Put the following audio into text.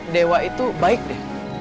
dewa itu baik deh